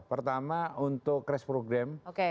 pertama untuk crash program